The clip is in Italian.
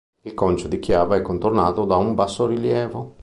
Il concio di chiave è contornato da un bassorilievo.